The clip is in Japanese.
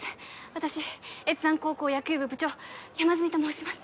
私越山高校野球部・部長山住と申します